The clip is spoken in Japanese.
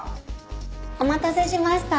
お待たせしました。